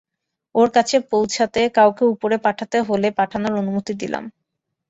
ওর কাছে পৌছাতে কাউকে উপরে পাঠাতে হলে পাঠানোর অনুমতি দিলাম।